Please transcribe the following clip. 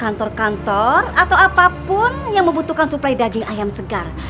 kantor kantor atau apapun yang membutuhkan suplai daging ayam segar